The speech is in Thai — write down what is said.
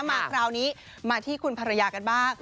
มาคราวนี้มาที่คุณภรรยากันบ้าง